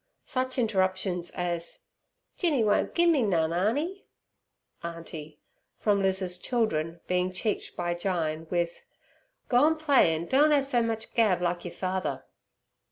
Such interruptions as "Jinny won't gimme nun, Arnie" (Auntie) from Liz's children being cheeked by Jyne with "Go an' play an' doan' 'ave ser much gab, like yer father."